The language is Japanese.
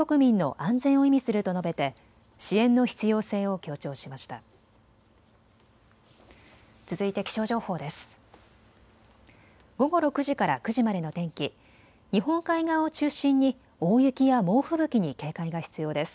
日本海側を中心にに大雪や猛吹雪に警戒が必要です。